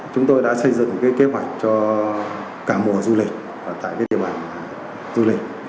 chúng tôi đã xây dựng cái kế hoạch cho cả mùa du lịch tại cái địa bàn du lịch